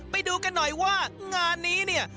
ไปดูกันหน่อยว่างานนี้เนี่ย